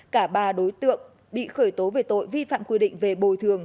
cả ba đối tượng bị khởi tố về tội vi phạm quy định về bồi thường